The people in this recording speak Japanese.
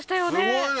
すごいね。